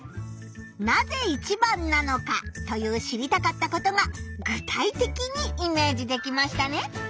「なぜ一番なのか」という知りたかったことが具体的にイメージできましたね。